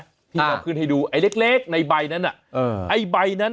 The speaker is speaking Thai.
ที่เราขึ้นให้ดูไอ้เล็กในใบนั้นน่ะ